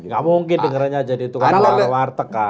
nggak mungkin dengarnya jadi itu kan luar luar tekan